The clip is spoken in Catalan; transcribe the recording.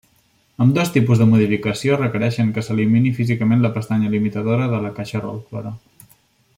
Ambdós tipus de modificació requereixen que s'elimini físicament la pestanya limitadora de la caixa reductora.